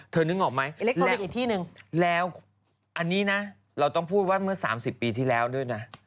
เธอนึกออกไหมแล้วอันนี้นะเราต้องพูดว่าเมื่อ๓๐ปีที่แล้วด้วยนะ